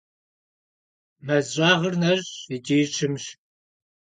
Мэз щӀагъыр нэщӀщ икӀи щымщ.